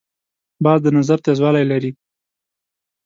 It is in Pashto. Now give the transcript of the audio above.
باز د نظر تیزوالی لري